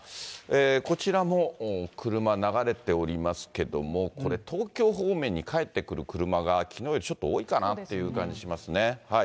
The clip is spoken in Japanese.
こちらも車、流れておりますけれども、これ、東京方面に帰ってくる車がきのうよりちょっと多いかなって感じしますね。